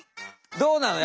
どうなの？